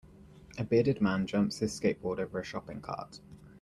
A bearded man jumps his skateboard over a shopping cart.